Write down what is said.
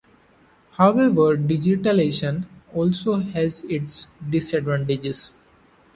However, digitalization also has its disadvantages.